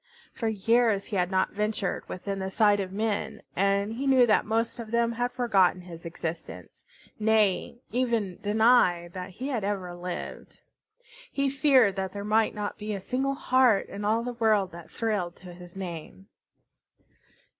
For years he had not ventured within sight of men, and he knew that most of them had forgotten his existence, nay, even denied that he had ever lived. He feared that there might not be a single heart in all the world that thrilled to his name.